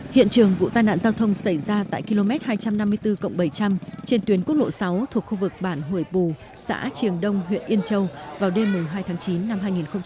hiện trường vụ tai nạn giao thông xảy ra tại km hai trăm năm mươi bốn bảy trăm linh trên tuyến quốc lộ sáu thuộc khu vực bản hủy bù xã triềng đông huyện yên châu vào đêm hai tháng chín năm hai nghìn một mươi chín